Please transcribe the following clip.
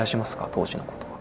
当時のことは。